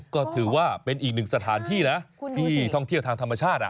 ก็ถือว่าเป็นอีกหนึ่งสถานที่นะที่ท่องเที่ยวทางธรรมชาติ